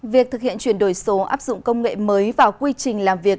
việc thực hiện chuyển đổi số áp dụng công nghệ mới vào quy trình làm việc